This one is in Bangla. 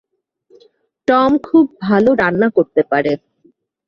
টম খুব ভালো রান্না করতে পারে।